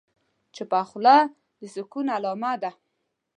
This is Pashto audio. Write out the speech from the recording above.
چپه خوله، د سکون علامه ده.